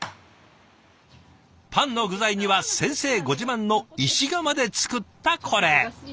パンの具材には先生ご自慢の石窯で作ったこれ。